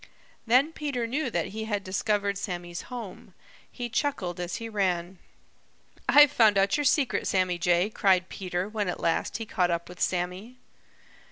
Then Peter knew that he had discovered Sammy's home. He chuckled as he ran. "I've found out your secret, Sammy Jay!" cried Peter when at last he caught up with Sammy.